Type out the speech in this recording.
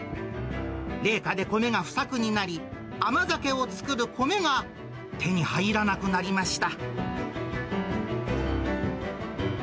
冷夏で米が不作になり、甘酒を造る米が手に入らなくなりました。